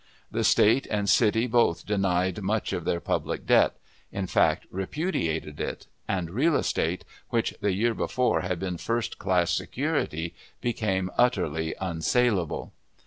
The State and city both denied much of their public debt; in fact, repudiated it; and real estate, which the year before had been first class security, became utterly unsalable.